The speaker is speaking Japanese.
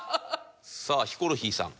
さあヒコロヒーさん。